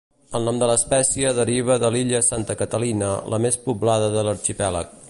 El nom de l'espècie deriva de l'illa Santa Catalina, la més poblada de l'arxipèlag.